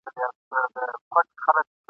له دې ماتو ټوټو ډک کړي صندوقونه ..